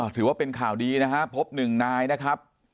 ถือว่าเป็นข่าวดีนะฮะพบหนึ่งนายนะครับ